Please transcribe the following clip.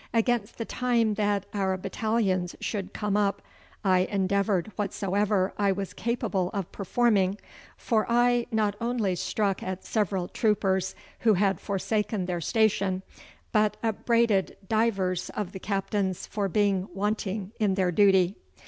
Against the time that our battalions should come up, I endeavoured whatsoever I was capable of performing, for I not only struck at several troopers who had forsaken their station, but upbraided divers of the captains for being wanting in their duty.